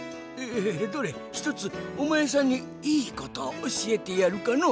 どれひとつおまえさんにいいことをおしえてやるかのう。